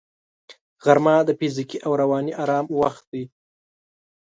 غرمه د فزیکي او رواني آرام وخت دی